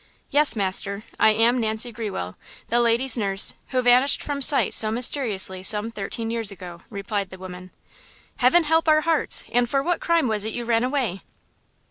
"Yes, master, I am Nancy Grewell, the ladies' nurse, who vanished from sight so mysteriously some thirteen years ago," replied the woman. "Heaven help our hearts! And for what crime was it you ran away?